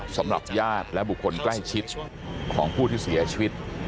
สำหรับญาติและบุคคลใกล้ชิดของผู้ที่เสียชีวิต